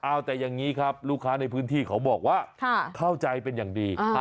เอาแต่อย่างนี้ครับลูกค้าในพื้นที่เขาบอกว่าเข้าใจเป็นอย่างดี